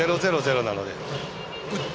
０００なので。